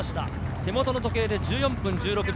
手元の時計で１４分１６秒。